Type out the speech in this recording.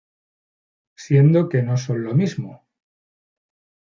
Siendo que no son lo mismo.